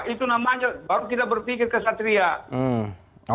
itu namanya baru kita berpikir kesatria